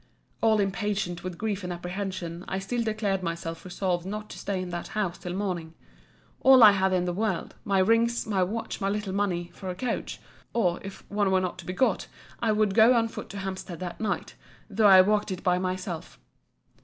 All impatient with grief and apprehension, I still declared myself resolved not to stay in that house till morning. All I had in the world, my rings, my watch, my little money, for a coach; or, if one were not to be got, I would go on foot to Hampstead that night, though I walked it by myself.